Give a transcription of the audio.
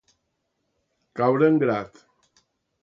Caure en grat.